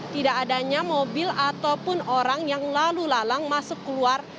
tidak adanya mobil ataupun orang yang lalu lalang masuk keluar